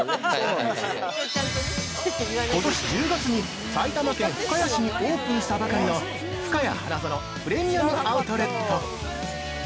◆ことし１０月に埼玉県深谷市にオープンしたばかりの「ふかや花園プレミアム・アウトレット」！